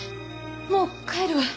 もう帰るわ。